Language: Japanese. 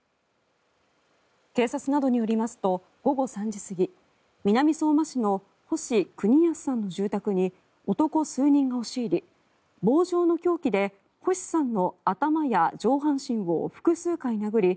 警察などによりますと午後３時過ぎ南相馬市の星邦康さんの住宅に男数人が押し入り棒状の凶器で星さんの頭や上半身を複数回殴り